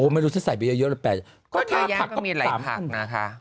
ไม่รู้ถ้าใส่เยอะ๘๐ถ้าผักของมี๓อัน